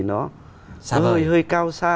nó hơi cao xa